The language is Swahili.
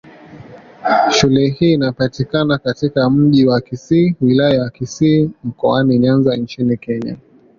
Shule hii inapatikana katika Mji wa Kisii, Wilaya ya Kisii, Mkoani Nyanza nchini Kenya.